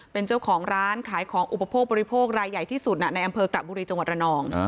เป็นเจ้าของร้านขายของอุปโภคบริโภครายใหญ่ที่สุดในอำเภอกระบุรีจังหวัดระนอง